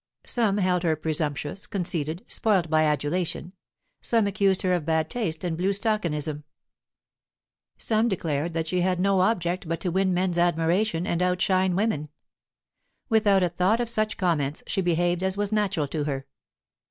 Some held her presumptuous, conceited, spoilt by adulation; some accused her of bad taste and blue stockingism; some declared that she had no object but to win men's admiration and outshine women. Without a thought of such comments, she behaved as was natural to her.